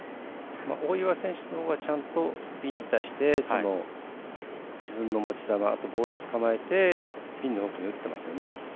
大岩選手のほうがちゃんとピンに対して自分の持ち球ボールをつかまえてピンの奥に打ってますね。